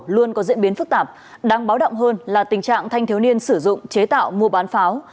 luôn có diễn biến phức tạp đáng báo động hơn là tình trạng thanh thiếu niên sử dụng chế tạo mua bán pháo